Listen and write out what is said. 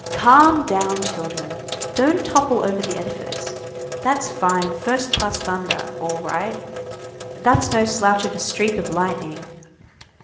"Calm down, children. Don't topple over the edifice. That's fine, first class thunder; all right. That's no slouch of a streak of lightning.